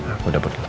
aku dapur dulu